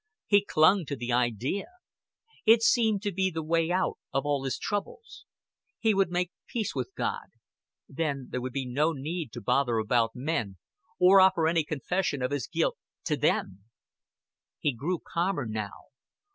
He clung to the idea. It seemed to be the way out of all his troubles. He would make peace with God then there would be no need to bother about men, or offer any confession of his guilt to them. He grew calmer now.